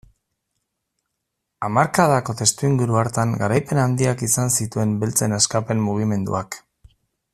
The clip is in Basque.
Hamarkadako testuinguru hartan garaipen handiak izan zituen beltzen askapen mugimenduak.